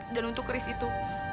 dan untuk keris itu